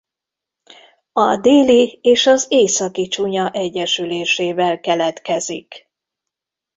A Déli- és az Északi-Csunya egyesülésével keletkezik.